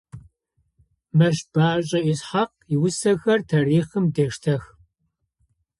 Мэщбэшӏэ Исхьакъ иусэхэр тарихъым дештэх.